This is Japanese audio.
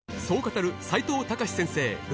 そう語る齋藤孝先生